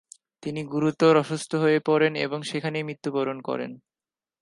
তিনি গুরুতর অসুস্থ হয়ে পড়েন এবং সেখানেই মৃত্যুবরণ করেন।